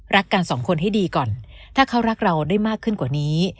กันสองคนให้ดีก่อนถ้าเขารักเราได้มากขึ้นกว่านี้